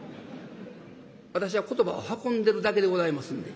私は言葉を運んでるだけでございますんで」。